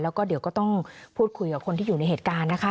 แล้วก็เดี๋ยวก็ต้องพูดคุยกับคนที่อยู่ในเหตุการณ์นะคะ